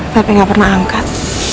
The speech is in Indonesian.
tapi gak pernah angkat